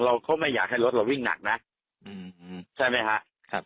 เราก็ไม่อยากให้รถเราวิ่งหนักนะใช่ไหมฮะครับ